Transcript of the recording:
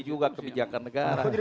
juga kebijakan negara